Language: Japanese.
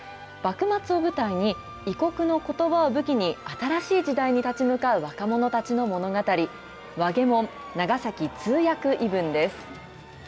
幕末を舞台に、異国のことばを武器に、新しい時代に立ち向かう若者たちの物語、わげもん・長崎通訳異聞です。